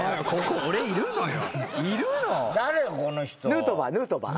ヌートバーヌートバー。